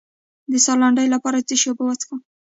د ساه لنډۍ لپاره د څه شي اوبه وڅښم؟